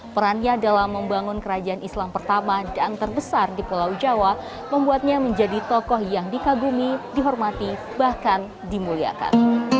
perannya dalam membangun kerajaan islam pertama dan terbesar di pulau jawa membuatnya menjadi tokoh yang dikagumi dihormati bahkan dimuliakan